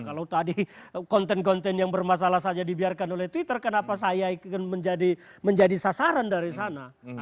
kalau tadi konten konten yang bermasalah saja dibiarkan oleh twitter kenapa saya menjadi sasaran dari sana